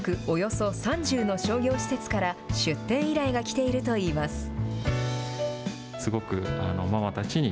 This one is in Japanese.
およそ３０の商業施設から出店依頼が来ているといいます。